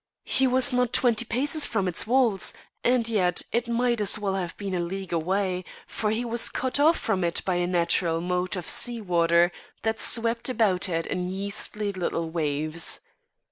He was not twenty paces from its walls, and yet it might as well have been a league away, for he was cut off from it by a natural moat of sea water that swept about it in yeasty little waves.